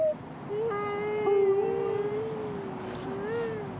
うん。